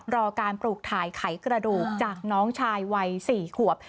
รอการปลูกถ่ายไขกระดูกจากน้องชายวัย๔ขวบ